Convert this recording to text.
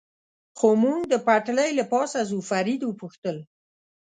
خو موږ د پټلۍ له پاسه ځو، فرید و پوښتل.